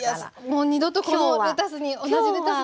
もう二度とこのレタスに同じレタスには。